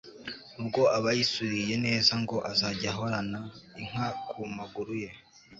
ubwo abayisuriye neza, ngo azajya ahorana inka ku maguru ye